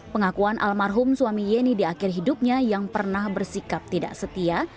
pengakuan almarhum suami yeni di akhir hidupnya yang pernah bersikap tidak setia